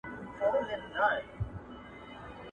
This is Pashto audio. زه باید کار وکړم؟!